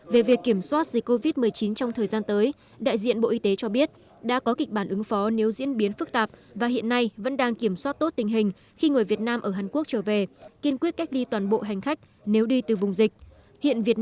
về việc kiểm soát dịch covid một mươi chín trong thời gian tới đại diện bộ y tế cho biết đã có kịch bản ứng phó nếu diễn biến phức tạp và hiện nay vẫn đang kiểm soát tốt tình hình khi người việt nam ở hàn quốc trở về kiên quyết cách ly toàn bộ hành khách nếu đi từ vùng dịch